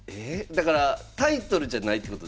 だからタイトルじゃないってことですよね？